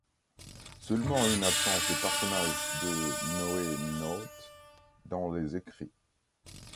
Seulement une absence des personnages de NoéNautes dans les écrits.